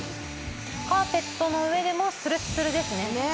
カーペットの上でもスルッスルですね。